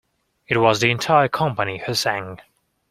It was the entire company who sang.